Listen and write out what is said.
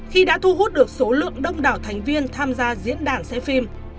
khi đã thu hút được số lượng đông đảo thành viên tham gia diễn đàn xem phim